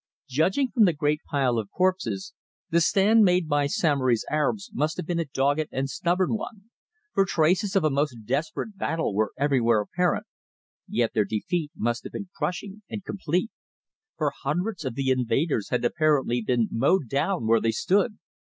Judging from the great pile of corpses, the stand made by Samory's Arabs must have been a dogged and stubborn one, for traces of a most desperate battle were everywhere apparent, yet their defeat must have been crushing and complete, for hundreds of the invaders had apparently been mowed down where they had stood.